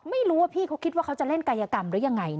ไม่รู้ว่าพี่เขาคิดว่าเขาจะเล่นกายกรรมหรือยังไง